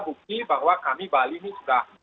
bukti bahwa kami bali ini sudah